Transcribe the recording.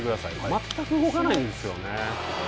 全く動かないんですよね。